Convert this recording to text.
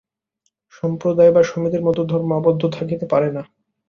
সম্প্রদায়ে বা সমিতির মধ্যে ধর্ম আবদ্ধ থাকিতে পারে না।